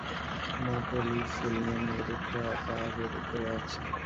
না, পলি, ফিল্মের নেগেটিভটা পাহারের উপরে আছে।